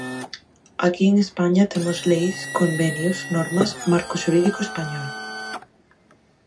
Aquí en España temos leis, convenios, normas, marco xurídico español.